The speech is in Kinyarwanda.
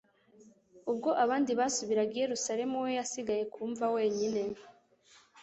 ubwo abandi basubiraga i Yerusalemu we yasigaye ku mva wenyine.